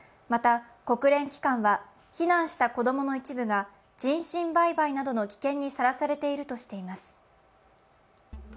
また、国連機関は、避難した子どもの一部が人身売買などの危険にさらされているとしています。